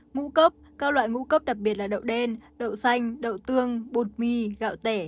ngũ cốc các loại ngũ cốc đặc biệt là đậu đen đậu xanh đậu tương bột mì gạo tẻ